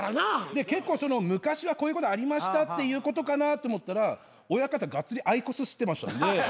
で結構昔はこういうことありましたっていうことかなと思ったら親方がっつりＩＱＯＳ吸ってましたんで。